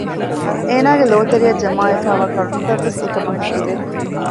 އޭނާގެ ލޯތެރެއަށް ޖަމާވެފައިވާ ކަރުނަތައްވެސް އެކަމަށް ހެކިވެ